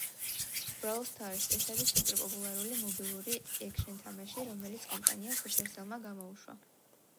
Brawl Stars — ეს არის სუპერპოპულარული მობილური "ექშენ-თამაში", რომელიც კომპანია Supercell-მა გამოუშვა.